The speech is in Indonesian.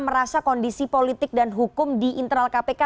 merasa kondisi politik dan hukum di internal kpk